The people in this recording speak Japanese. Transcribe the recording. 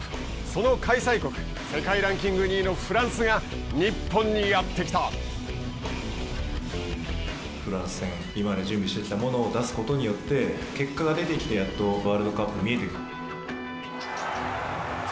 その開催国世界ランキング２位のフランスがフランス戦今まで準備してきたものを出すことによって結果が出てきてやっとワールドカップが見えてくる。